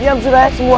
diam sudah ya semua